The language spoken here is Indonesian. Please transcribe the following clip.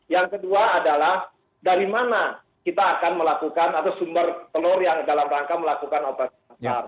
yang kedua adalah dari mana kita akan melakukan atau sumber telur yang dalam rangka melakukan operasi pasar